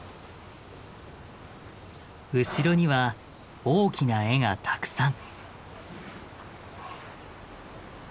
後ろには大きな絵がたくさん。